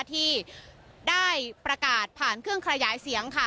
ที่ได้ประกาศผ่านเครื่องขยายเสียงค่ะ